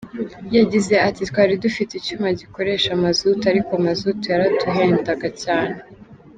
Yagize ati “Twari dufite icyuma gikoresha mazutu ariko mazutu yaraduhendaga cyane.